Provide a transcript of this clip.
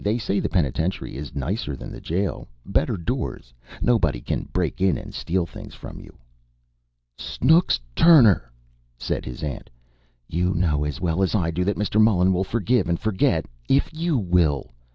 They say the penitentiary is nicer than the jail. Better doors. Nobody can break in and steal things from you." "Snooks Turner!" said his aunt. "You know as well as I do that Mr. Mullen will forgive and forget, if you will.